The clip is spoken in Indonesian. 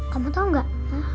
kamu tau gak